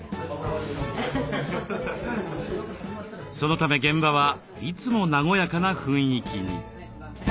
そのため現場はいつも和やかな雰囲気に。